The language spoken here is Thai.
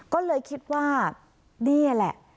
ก็เลยคิดว่านี่แหละ